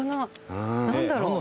何だろう？